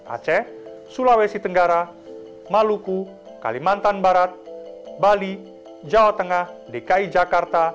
aceh sulawesi tenggara maluku kalimantan barat bali jawa tengah dki jakarta